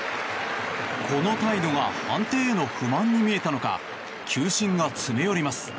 この態度が判定への不満に見えたのか球審が詰め寄ります。